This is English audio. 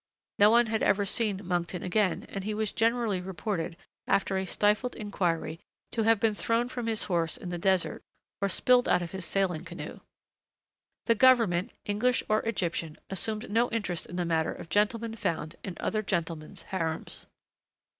No one had ever seen Monkton again and he was generally reported, after a stifled inquiry, to have been thrown from his horse in the desert, or spilled out of his sailing canoe. The government, English or Egyptian, assumed no interest in the matter of gentlemen found in other gentlemen's harems.